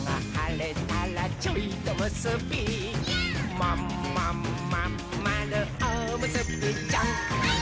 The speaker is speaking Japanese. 「まんまんまんまるおむすびちゃん」はいっ！